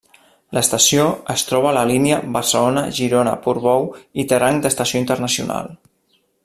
L'estació es troba a la línia Barcelona-Girona-Portbou i té rang d'estació internacional.